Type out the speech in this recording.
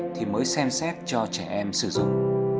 thì mới xem xét cho trẻ em sử dụng